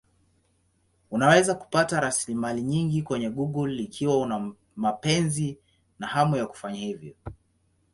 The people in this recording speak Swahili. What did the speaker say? Unaweza kupata rasilimali nyingi kwenye Google ikiwa una mapenzi na hamu ya kufanya hivyo.